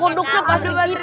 kondoknya pasti kiri kiri